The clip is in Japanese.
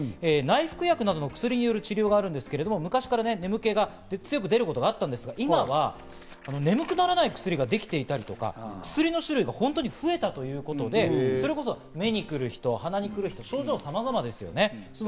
内服薬などの薬による治療があるんですけど、昔から眠気が強く出ることがあったんですけど、今は眠くならない薬ができていたり、薬の種類が本当に増えたということで、目にくる人、鼻にくる人、症状はさまざまですよね。